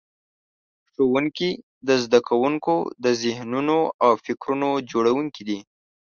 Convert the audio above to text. ښوونکي د زده کوونکو د ذهنونو او فکرونو جوړونکي دي.